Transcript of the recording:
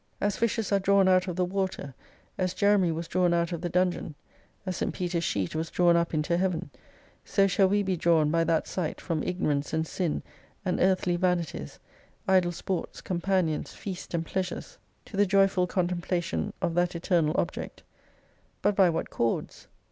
As fishes are drawn out of the water, as Jeremie was irawn out of the dungeon, as St. Peter's sheet was drawn up into Heaven ; so shall we be drawn by that sight from Ignorance and Sin, and Earthly vanities, idle sports, companions, feast and pleasures, to the joyful contemplation of that Eternal Object. But by what cords